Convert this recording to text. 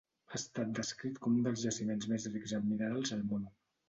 Ha estat descrit com un dels jaciments més rics en minerals al món.